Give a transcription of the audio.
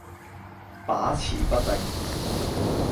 把持不定